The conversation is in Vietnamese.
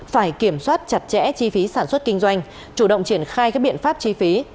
phải kiểm soát chặt chẽ chi phí sản xuất kinh doanh chủ động triển khai các biện pháp chi phí